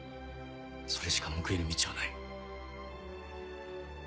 それしか報いる道はない。